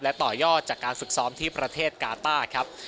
และต่อยอดจากการฝึกซ้อมที่ประเทศกาต้าครับ